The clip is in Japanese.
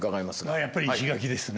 やっぱり石垣ですね。